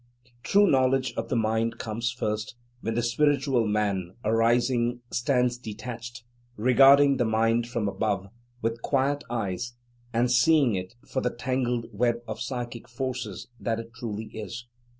True knowledge of the "mind" comes, first, when the Spiritual Man, arising, stands detached, regarding the "mind" from above, with quiet eyes, and seeing it for the tangled web of psychic forces that it truly is.